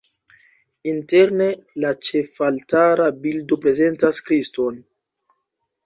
Interne la ĉefaltara bildo prezentas Kriston.